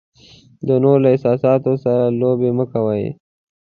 د نورو له احساساتو سره لوبې مه کوئ.